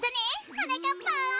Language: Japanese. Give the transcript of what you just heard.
はなかっぱん。